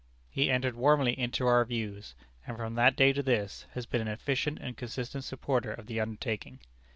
He entered warmly into our views, and from that day to this, has been an efficient and consistent supporter of the undertaking.